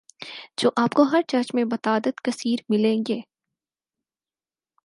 جو آپ کو ہر چرچ میں بتعداد کثیر ملیں گے